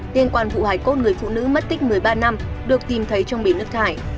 liên quan vụ hải cốt người phụ nữ mất tích một mươi ba năm được tìm thấy trong bì nước thải